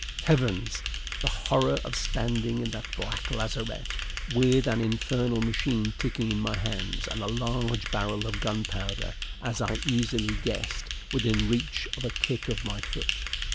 Heavens! the horror of standing in that black lazarette with an infernal machine ticking in my hands, and a large barrel of gunpowder, as I easily guessed, within reach of a kick of my foot!